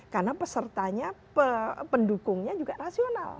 karena pesertanya pendukungnya juga rasional